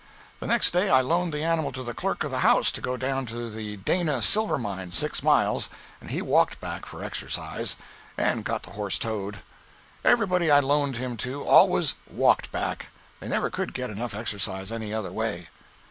The next day I loaned the animal to the Clerk of the House to go down to the Dana silver mine, six miles, and he walked back for exercise, and got the horse towed. Everybody I loaned him to always walked back; they never could get enough exercise any other way.